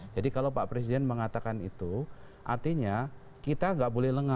jadi kalau pak presiden mengatakan itu artinya kita gak boleh lengam